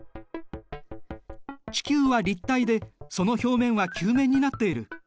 地球は立体でその表面は球面になっている。